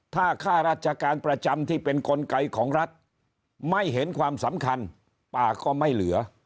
ถ้าข้าราชการประจำที่เป็นกลไกของรัฐไม่เห็นความสำคัญป่าก็ไม่เหลือ